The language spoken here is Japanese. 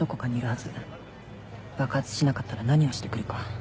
爆発しなかったら何をしてくるか。